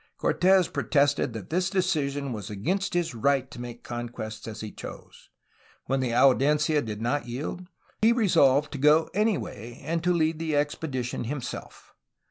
Cortes protested that this decision was against his right to make conquests as he chose. When the audiencia did not yield he resolved to go anyway and to lead the expedition himself.